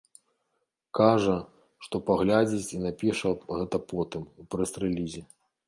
Кажа, што паглядзіць і напіша гэта потым, у прэс-рэлізе.